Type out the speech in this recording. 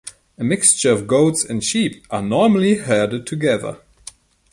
A mixture of goats and sheep are normally herded together.